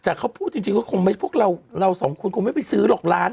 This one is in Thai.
แต่เขาพูดจริงก็คงไม่พวกเราเราสองคนคงไม่ไปซื้อหรอกล้าน